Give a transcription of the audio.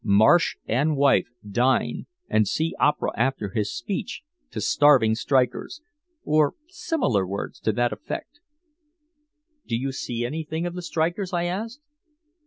'Marsh and wife dine and see opera after his speech to starving strikers,' or similar words to that effect." "Do you see anything of the strikers?" I asked.